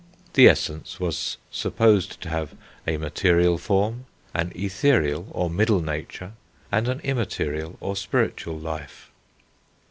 The essence was supposed to have a material form, an ethereal or middle nature, and an immaterial or spiritual life.